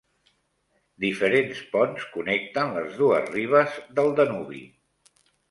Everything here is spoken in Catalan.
Diferents ponts connecten les dues ribes del Danubi.